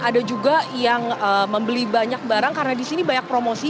ada juga yang membeli banyak barang karena di sini banyak promosi